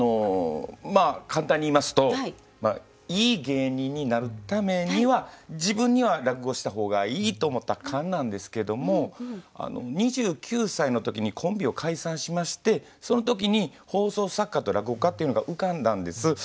まあ簡単に言いますといい芸人になるためには自分には落語した方がいいと思ったからなんですけども２９歳の時にコンビを解散しましてその時に放送作家と落語家っていうのが浮かんだんです。